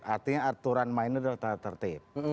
artinya aturan main itu adalah tata tertib